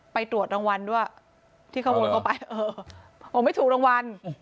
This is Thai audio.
ไปตรวจรางวัลด้วยที่ขโมยเข้าไปเออบอกไม่ถูกรางวัล